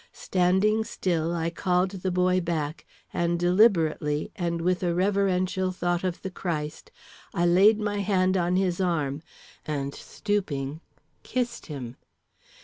Standing still, I called the boy back, and deliberately, and with a reverential thought of the Christ, I laid my hand on his arm, and, stooping, kissed him.